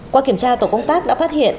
qua kiểm tra tổ công tác đã phát hiện